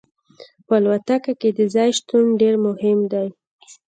په الوتکه کې د ځای شتون ډیر مهم دی